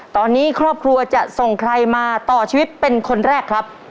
ตอนนี้ครอบครัวจะส่งใครมาต่อชีวิตเป็นคนแรกครับ